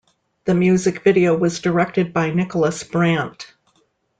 The music video was directed by Nicholas Brandt.